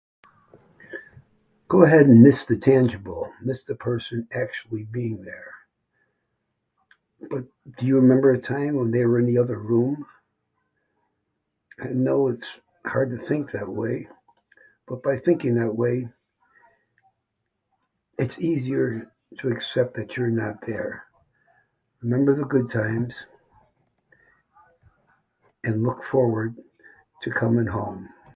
Go ahead and miss the tangible, miss the person actually being there. But do you remember a time when they were in the other room? I know it's hard to think that way, but by thinking that way it's easier to accept that you're not there. Remember the good times, and look forward to coming home.